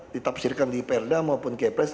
ditafsirkan di raperda maupun kprs